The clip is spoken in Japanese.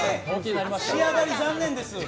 仕上がり残念です。